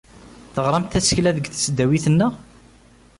Teɣramt tasekla deg tesdawit, naɣ?